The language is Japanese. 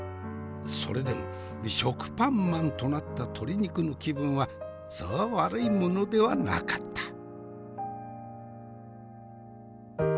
それでも食パンまんとなった鶏肉の気分はそう悪いものではなかった。